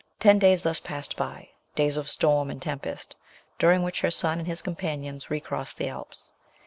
Ten days thus passed by, days of storm and tempest, during which her son and his companions recrossed the Alps.